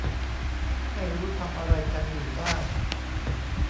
ไม่รู้ทำอะไรกันอยู่บ้าง